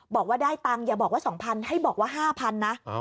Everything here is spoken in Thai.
บอกว่าได้ตังค์อย่าบอกว่า๒๐๐๐ให้บอกว่า๕๐๐นะ